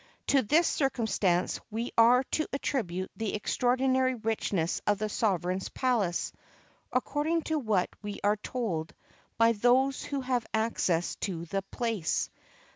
To this circumstance we are to attribute the extraordinary richness of the sovereign's palace, according to what we are told by those who have access to the place.